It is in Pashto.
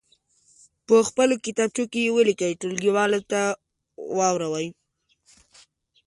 په خپلو کتابچو کې یې ولیکئ ټولګیوالو ته واوروئ.